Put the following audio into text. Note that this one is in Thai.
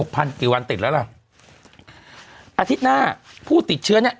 พันกี่วันติดแล้วล่ะอาทิตย์หน้าผู้ติดเชื้อเนี้ย